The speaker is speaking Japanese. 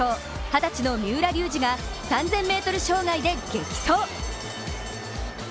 二十歳の三浦龍司が３０００ｍ障害で激走。